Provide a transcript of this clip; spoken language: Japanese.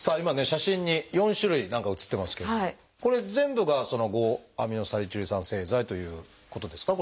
写真に４種類何か写ってますけれどもこれ全部が５−アミノサリチル酸製剤ということですか？